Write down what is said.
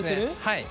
はい。